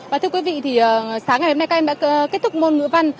và thưa quý vị thì sáng ngày hôm nay các em đã kết thúc môn ngữ văn